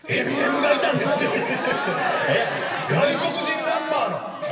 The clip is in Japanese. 外国人ラッパーの。